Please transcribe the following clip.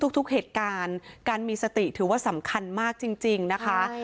ทุกเหตุการณ์การมีสติถือว่าสำคัญมากจริงนะคะ